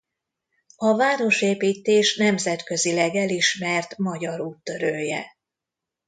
A városépítés nemzetközileg elismert magyar úttörője.